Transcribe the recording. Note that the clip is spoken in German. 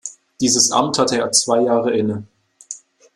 Dieses Amt hatte er zwei Jahre inne.